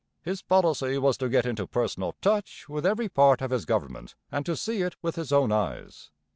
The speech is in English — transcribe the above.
His policy was to get into personal touch with every part of his government and to see it with his own eyes.